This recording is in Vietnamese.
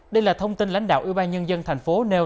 đây là thông tin lãnh đạo ưu ba nhân dân thành phố nêu